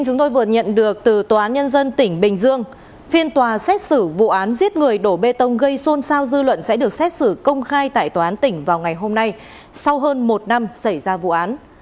chúng tôi vừa nhận được từ tòa án nhân dân tỉnh bình dương phiên tòa xét xử vụ án giết người đổ bê tông gây xôn xao dư luận sẽ được xét xử công khai tại tòa án tỉnh vào ngày hôm nay sau hơn một năm xảy ra vụ án